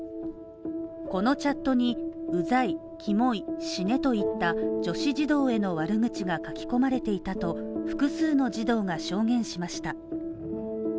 このチャットにうざい、きもい、死ねといった女子児童への悪口が書き込まれていたと複数の児童が証言しました。